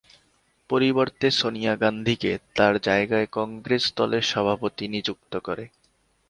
পরিবর্তে সোনিয়া গান্ধীকে তাঁর জায়গায় কংগ্রেস দলের সভাপতি নিযুক্ত করে।